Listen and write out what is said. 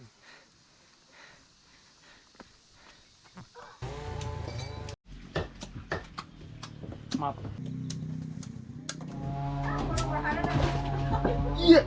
kau orang orang yang ada di sini tetap ya bro